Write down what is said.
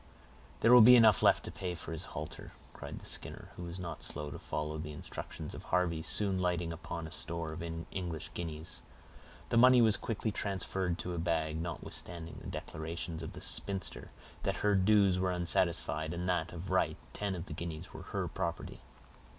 "There will be enough left to pay for his halter," cried the Skinner, who was not slow to follow the instructions of Harvey, soon lighting upon a store of English guineas. The money was quickly transferred to a bag, notwithstanding the declarations of the spinster, that her dues were unsatisfied, and that, of right, ten of the guineas were her property.